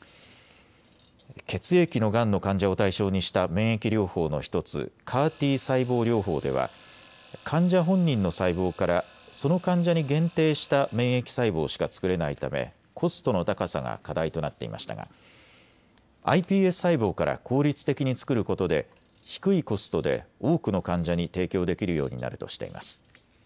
血液のがんの患者を対象にした免疫療法の１つ、ＣＡＲ−Ｔ細胞療法では患者本人の細胞からその患者に限定した免疫細胞しか作れないためコストの高さが課題となっていましたがｉＰＳ細胞から効率的に作ることで低いコストで多くの患者に提供できるようになるとしています。